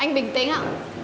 anh bình tĩnh ạ